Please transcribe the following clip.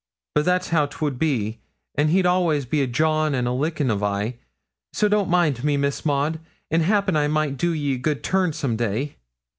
But that's how 'twould be, an' he'd all'ays be a jawing and a lickin' of I; so don't mind me, Miss Maud, and 'appen I might do ye a good turn some day.'